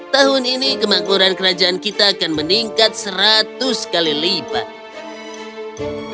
tahun ini kemangkuran kerajaan kita akan meningkat seratus kali lipat